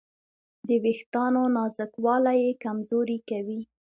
د وېښتیانو نازکوالی یې کمزوري کوي.